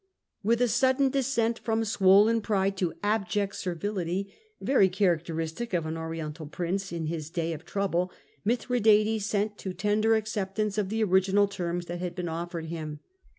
With a sudden descent from swollen pride to abject ser vility, very characteristic of an Oriental prince in his day of trouble, Mitbradates sent to tender acceptance of the original terms that had been offered him.